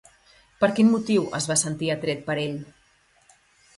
Per quin motiu es va sentir atret per ell?